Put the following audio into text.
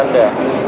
anda yang meng